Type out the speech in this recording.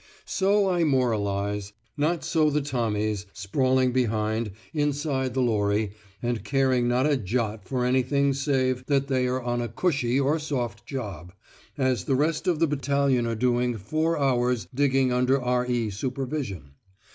So I moralise. Not so the Tommies, sprawling behind, inside the lorry, and caring not a jot for anything save that they are on a "cushy" or soft job, as the rest of the battalion are doing four hours' digging under R.E. supervision.